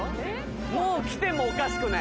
もう来てもおかしくない。